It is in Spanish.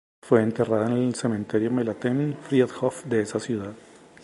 Fue enterrada en el Cementerio Melaten-Friedhof de esa ciudad.